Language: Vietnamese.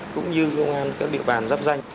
cũng như công an các địa bàn giáp danh